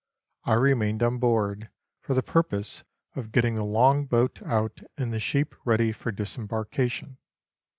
I remained on board, for the purpose of getting the long boat out and the sheep ready for disembarkation.